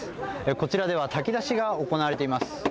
こちらでは、炊き出しが行われています。